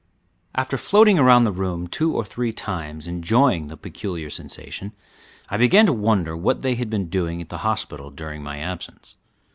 After floating around the room two or three times enjoying the peculiar sensation, I began to wonder what they had been doing at the hospital during my absence.